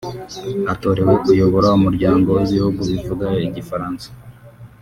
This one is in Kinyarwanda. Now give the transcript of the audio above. atorewe kuyobora Umuryango w’Ibihugu bivuga Igifaransa